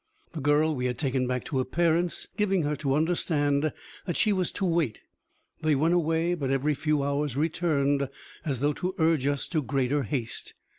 The girl we had taken back to her parents, giving her to understand that she was to wait. They went away, but every few hours returned, as though to urge us to greater haste.